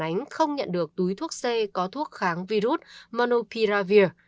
tuy nhiên không nhận được túi thuốc c có thuốc kháng virus monopiravir